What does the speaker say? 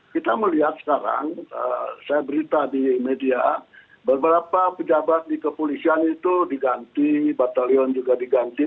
kita melihat sekarang saya berita di media beberapa pejabat di kepolisian itu diganti batalion juga diganti